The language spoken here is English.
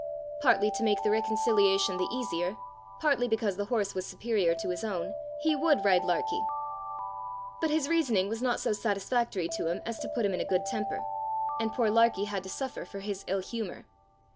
Partly to make reconciliation the easier, partly because the horse was superior to his own, he would ride Larkie! But his reasoning was not so satisfactory to him as to put him in a good temper, and poor Larkie had to suffer for his ill humour.